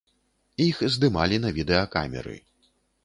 Іх здымалі на відэакамеры.